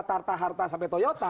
tarta harta sampai toyota